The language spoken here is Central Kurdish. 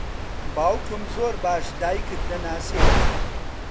باوکم زۆر باش دایکت دەناسێت.